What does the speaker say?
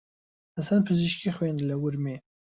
حەسەن پزیشکی خوێند لە ورمێ.